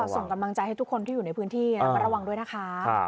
ส่งกำลังใจให้ทุกคนที่อยู่ในพื้นที่ระมัดระวังด้วยนะคะ